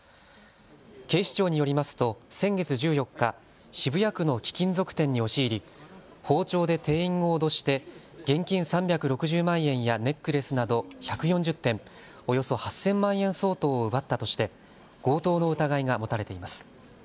警視庁によりますと先月１４日、渋谷区の貴金属店に押し入り包丁で店員を脅して現金３６０万円やネックレスなど１４０点、およそ８０００万円相当を奪ったとして強盗の疑いが持たれています。